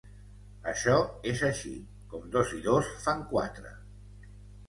Això és així, com dos i dos fan quatre!